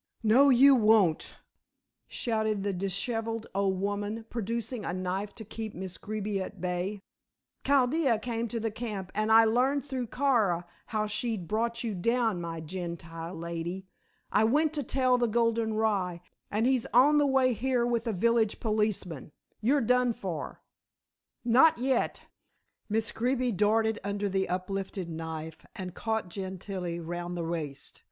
"No, you won't!" shouted the dishevelled old woman, producing a knife to keep Miss Greeby at bay. "Chaldea came to the camp and I learned through Kara how she'd brought you down, my Gentile lady. I went to tell the golden rye, and he's on the way here with the village policeman. You're done for." "Not yet." Miss Greeby darted under the uplifted knife and caught Gentilla round the waist.